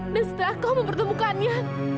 dan setelah kau mempertemukannya